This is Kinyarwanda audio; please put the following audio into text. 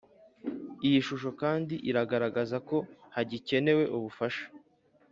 Iyi shusho kandi iragaragaza ko hagikenewe ubufasha